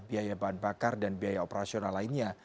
biaya bahan bakar dan biaya operasional lainnya